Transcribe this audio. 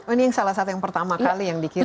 ini yang salah satu yang pertama kali yang dikirim